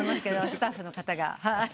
スタッフの方が。